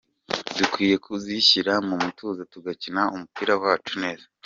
Dukwiye kuzishyira mu mutuzo tugakina umupira wacu neza.